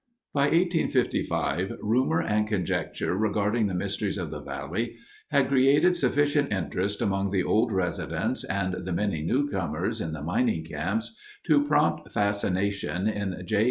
By 1855 rumor and conjecture regarding the mysteries of the valley had created sufficient interest among the old residents and the many newcomers in the mining camps to prompt fascination in J.